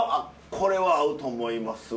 これは合うと思いますわ。